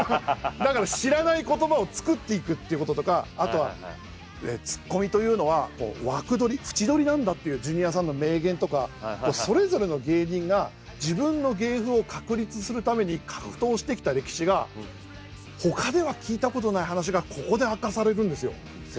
だから知らない言葉を作っていくっていうこととかあとはツッコミというのは枠どり「縁どり」なんだっていうジュニアさんの名言とかそれぞれの芸人が自分の芸風を確立するために格闘してきた歴史がほかでは聞いたことない話がここで明かされるんですよ。